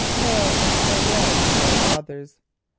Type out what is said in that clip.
Hail and farewell to you, our fathers!